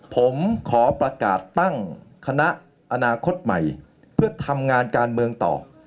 ผมขอประกาศตั้งคณะอนาคตใหม่เพื่อทำงานการเมืองต่อ